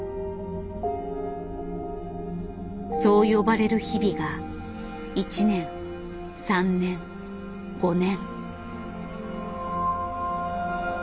そう呼ばれる日々が１年３年５年。